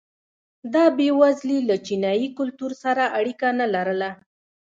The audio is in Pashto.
دا بېوزلي له چینايي کلتور سره اړیکه نه لرله.